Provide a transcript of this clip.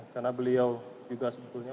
karena beliau juga sebetulnya